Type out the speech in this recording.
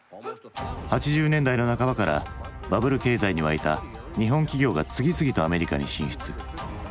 ８０年代の半ばからバブル経済に沸いた日本企業が次々とアメリカに進出。